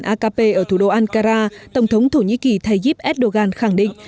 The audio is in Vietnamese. đảng công lý và phát triển akp ở thủ đô ankara tổng thống thổ nhĩ kỳ tayyip erdogan khẳng định